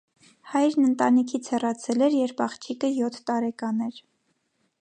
Հայրն ընտանիքից հեռացել էր, երբ աղջիկը յոթ տարեկան էր։